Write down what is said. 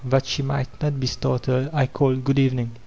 That she might not be startled, I called "Good evening.